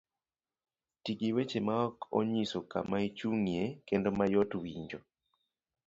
Ti gi weche maok onyiso kama ichung'ye kendo mayot winjo.